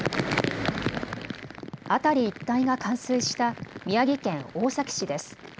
辺り一帯が冠水した宮城県大崎市です。